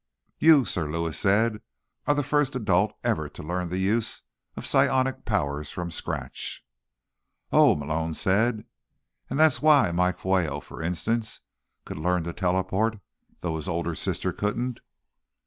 "You," Sir Lewis said, "are the first adult ever to learn the use of psionic powers from scratch." "Oh," Malone said. "And that's why Mike Fueyo, for instance, could learn to teleport, though his older sister couldn't."